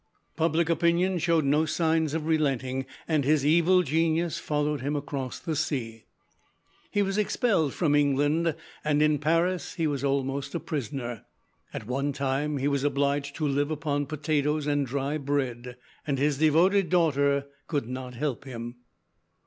Public opinion showed no signs of relenting, and his evil genius followed him across the sea. He was expelled from England, and in Paris he was almost a prisoner. At one time he was obliged to live upon potatoes and dry bread, and his devoted daughter could not help him.